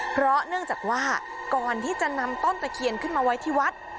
เพราะเนื่องจากว่าก่อนที่จะนำต้นตะเคียนขึ้นมาไว้ที่วัด